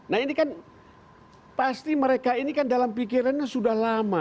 nah ini kan pasti mereka ini kan dalam pikirannya sudah lama